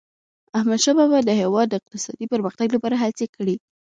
احمدشاه بابا د هیواد د اقتصادي پرمختګ لپاره هڅي کړي.